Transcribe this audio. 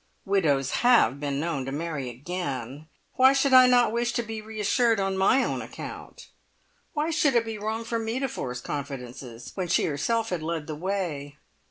Widows have been known to marry again! Why should I not wish to be reassured on my own account? Why should it be wrong for me to force confidences, when she herself had led the way?